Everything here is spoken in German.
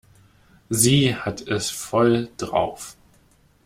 Sie hat es voll drauf.